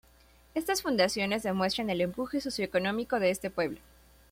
Estas fundaciones demuestran el empuje socioeconómico de este pueblo.